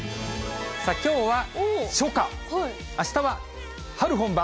きょうは初夏、あしたは春本番。